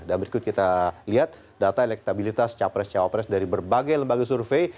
dan berikut kita lihat data elektabilitas capres capres dari berbagai lembaga survei